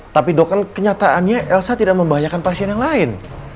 tapi kenyataannya elsa tidak membahayakan pasien yang lain